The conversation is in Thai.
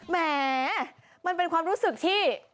แหมมันเป็นความรู้สึกที่